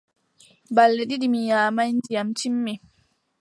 Balɗe ɗiɗi mi nyaamaay, ndiyam timmi.